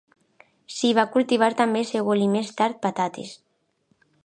S'hi va cultivar també sègol i més tard patates.